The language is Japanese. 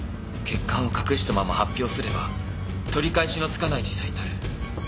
欠陥を隠したまま発表すれば取り返しのつかない事態になる。